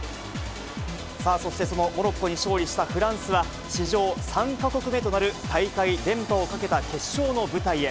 さあ、そしてそのモロッコに勝利したフランスは、史上３か国目となる大会連覇をかけた決勝の舞台へ。